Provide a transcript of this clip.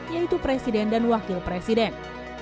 yaitu presiden dan wakil presiden